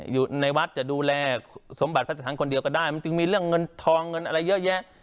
อยู่ในวัดจะดูแลสมบัติพระสถานคนเดียวก็ได้มันจึงมีเรื่องเงินทองเงินอะไรเยอะแยะ